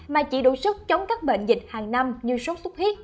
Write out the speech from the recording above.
mà chỉ đủ sức chống các bệnh dịch hàng năm như sốt xúc hiếp